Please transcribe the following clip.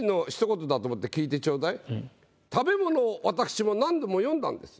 まあ食べ物を私も何度も詠んだんです。